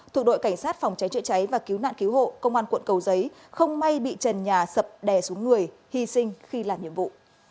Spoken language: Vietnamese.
thuộc đội cảnh sát phòng cháy chữa cháy và cứu nạn cứu hộ công an quận cầu giấy không may bị trần nhà sập đè xuống người hy sinh khi làm nhiệm vụ